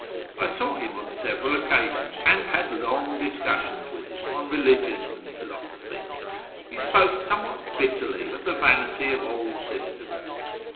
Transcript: I saw him on several occasions, and had long dis cussions with him on religion and philosophy. He spoke somewhat bitterly of the vanity of all systems.